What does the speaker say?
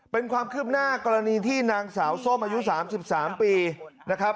เป็นความคืบหน้ากรณีที่นางสาวส้มอายุ๓๓ปีนะครับ